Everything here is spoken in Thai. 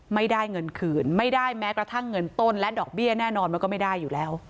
ไม่ได้เงินคืนไม่ได้แม้กระทั่งเงินต้นและดอกเบี้ยแน่นอนมันก็ไม่ได้อยู่แล้ว